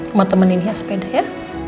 oma temenin dia sepeda ya